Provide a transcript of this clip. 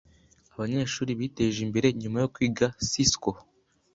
abanyeshuli biteje imbere nyuma yo kwiga cisco